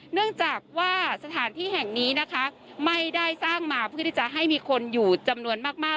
เนื่องจากว่าสถานที่แห่งนี้นะคะไม่ได้สร้างมาเพื่อที่จะให้มีคนอยู่จำนวนมาก